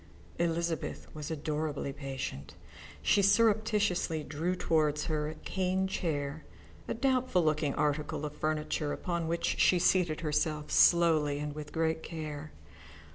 Elizabeth was adorably patient. She surreptitiously drew towards her a cane chair, a doubtful looking article of furniture upon which she seated herself slowly and with great care.